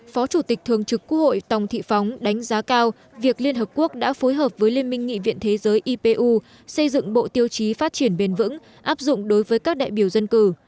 phó chủ tịch thường trực quốc hội tòng thị phóng đánh giá cao việc liên hợp quốc đã phối hợp với liên minh nghị viện thế giới ipu xây dựng bộ tiêu chí phát triển bền vững áp dụng đối với các đại biểu dân cử